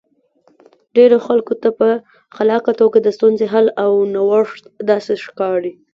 ډېرو خلکو ته په خلاقه توګه د ستونزې حل او نوښت داسې ښکاري.